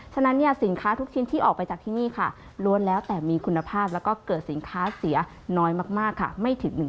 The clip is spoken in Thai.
ฉะนั้นสินค้าทุกชิ้นที่ออกไปจากที่นี่ล้วนแล้วแต่มีคุณภาพและเกิดสินค้าเสียน้อยมากไม่ถึง๑